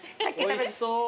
おいしそう。